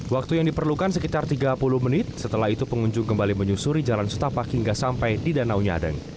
waktu yang diperlukan sekitar tiga puluh menit setelah itu pengunjung kembali menyusuri jalan setapak hingga sampai di danau nyadeng